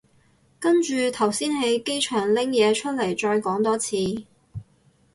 跟住頭先喺機場拎嘢出嚟再講多次